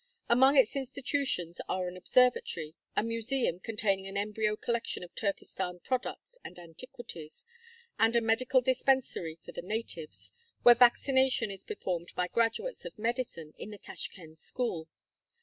Among its institutions IV 109 are an observatory, a museum containing an embryo collection of Turkestan products and antiquities, and a medical dispensary for the natives, where vaccination is performed by graduates of medicine in the Tashkend school.